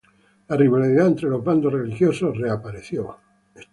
La rivalidad entre los bandos religiosos reapareció.